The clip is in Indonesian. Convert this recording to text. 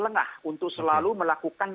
lengah untuk selalu melakukan